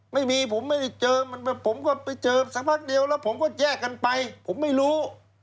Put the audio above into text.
ไม่มีผมไม่ได้เจอผมก็ไปเจอสักพักเดียวแล้วผมก็แยกกันไปผมไม่รู้